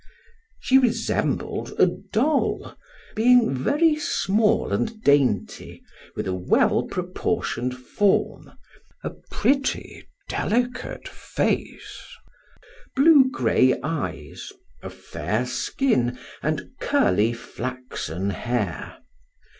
She resembled a doll, being very small and dainty, with a well proportioned form, a pretty, delicate face, blue gray eyes, a fair skin, and curly, flaxen hair.